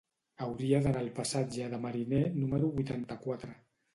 Hauria d'anar al passatge de Mariné número vuitanta-quatre.